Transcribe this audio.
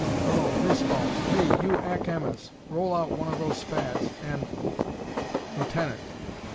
Oh, greaseballs! Hey, you Ack Emmas! Roll out one of those Spads and " "Lieutenant!"